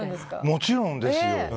もちろんですよ。